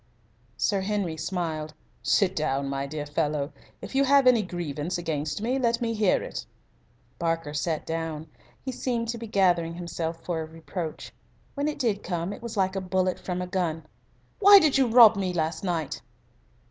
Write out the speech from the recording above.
Sir Henry smiled. "Sit down, my dear fellow. If you have any grievance against me, let me hear it." Barker sat down. He seemed to be gathering himself for a reproach. When it did come it was like a bullet from a gun. "Why did you rob me last night?"